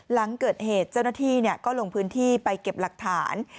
หลังเกิดเหตุเจ้าหน้าที่ก็ลงพื้นที่ไปเก็บหลักฐาน